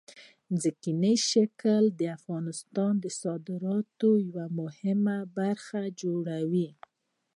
ځمکنی شکل د افغانستان د صادراتو یوه مهمه برخه جوړوي.